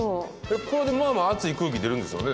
これでまあまあ熱い空気出るんですよね？